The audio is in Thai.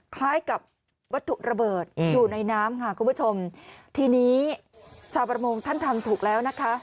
คล้ายกับวัตถุระเบิดอยู่ในน้ำค่ะคุณผู้ชมทีนี้ชาวประมงท่านทำถูกแล้วนะคะ